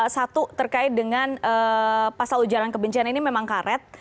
satu terkait dengan pasal ujaran kebencian ini memang karet